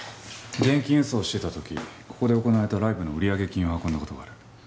現金輸送をしていた時ここで行われたライブの売上金を運んだ事がある。